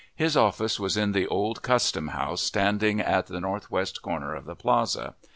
His office was in the old custom horse standing at the northwest corner of the Plaza.